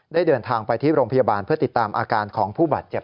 เดินทางไปที่โรงพยาบาลเพื่อติดตามอาการของผู้บาดเจ็บ